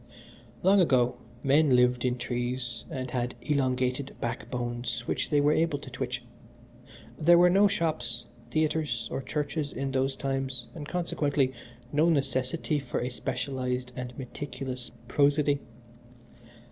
"Long ago men lived in trees and had elongated backbones which they were able to twitch. There were no shops, theatres, or churches in those times, and, consequently, no necessity for a specialized and meticulous prosody.